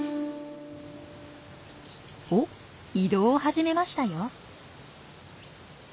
おっ移動を始めましたよ。